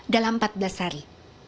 dalam empat belas hari